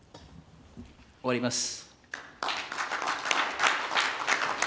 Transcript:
終わります。